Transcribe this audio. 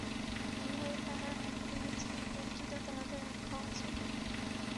বিবাহে তাঁহারা এক হইয়াছিলেন, মৃত্যুতেও তাঁহাদের এক হওয়া চাই।